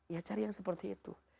ya cari yang seperti itu